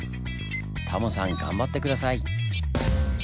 タモさん頑張って下さい！